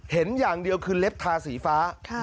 เห็นอย่างเดียวคือเล็บทาสีฟ้า